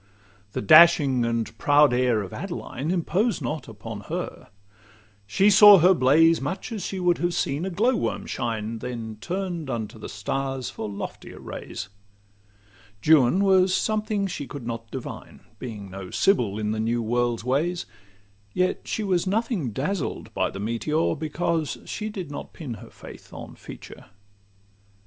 The dashing and proud air of Adeline Imposed not upon her: she saw her blaze Much as she would have seen a glow worm shine, Then turn'd unto the stars for loftier rays. Juan was something she could not divine, Being no sibyl in the new world's ways; Yet she was nothing dazzled by the meteor, Because she did not pin her faith on feature.